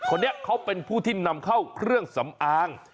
คนนี้เขาเป็นผู้ที่นำเข้าเครื่องสำอาง